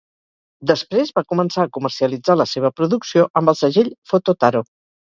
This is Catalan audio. Després, va començar a comercialitzar la seva producció amb el segell Photo Taro.